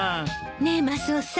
ねえマスオさん